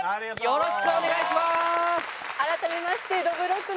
よろしくお願いします。